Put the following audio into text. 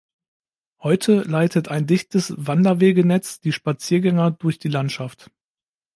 Heute leitet ein dichtes Wanderwegenetz die Spaziergänger durch die Landschaft.